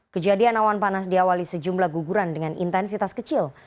kejadian awan panas diawali sejumlah guguran dengan intensitas kecil